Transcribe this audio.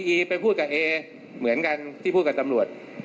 อีไปพูดกับเอเหมือนกันที่พูดกับตำรวจ